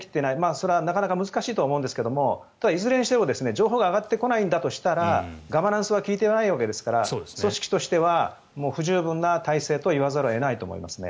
それは、なかなか難しいとは思うんですがいずれにしても情報が上がってこないとしたらガバナンスは利いていないわけですから組織としては不十分な体制と言わざるを得ないと思いますね。